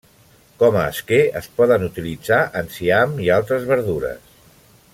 Com a esquer es poden utilitzar enciam i altres verdures.